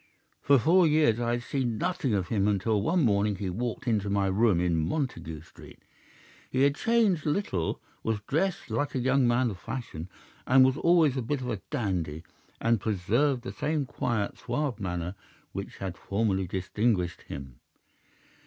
"For four years I had seen nothing of him until one morning he walked into my room in Montague Street. He had changed little, was dressed like a young man of fashion—he was always a bit of a dandy—and preserved the same quiet, suave manner which had formerly distinguished him.